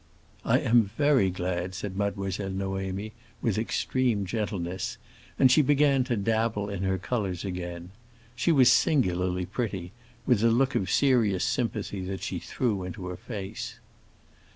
"I am very glad," said Mademoiselle Noémie with extreme gentleness, and she began to dabble in her colors again. She was singularly pretty, with the look of serious sympathy that she threw into her face.